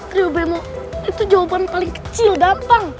terima bemo itu jawaban paling kecil gampang